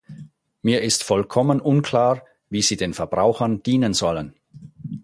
Mir ist vollkommen unklar, wie sie den Verbrauchern dienen sollen.